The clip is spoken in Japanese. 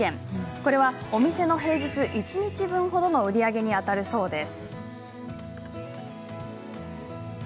これはお店の平日一日分ほどの売り上げにあたるそうです。